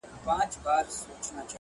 ه ما يې هر وختې په نه خبره سر غوښتی دی!!